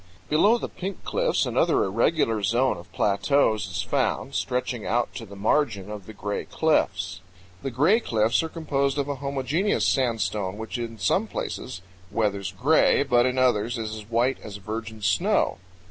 Below the Pink Cliffs another irregular zone of plateaus is found, stretching out to the margin of the Gray Cliffs. The Gray Cliffs are composed of a homogeneous sandstone which in some places weathers gray, but in others is as white as virgin snow.